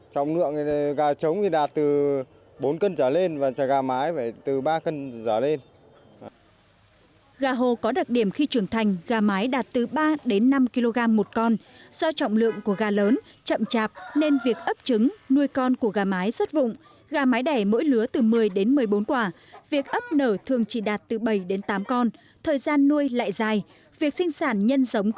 trọng lượng gà trống thì đạt từ bốn cân trở lên và gà mái từ ba cân trở lên